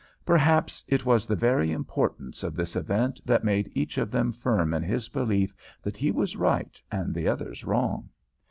Perhaps it was the very importance of this event that made each of them firm in his belief that he was right and the others wrong.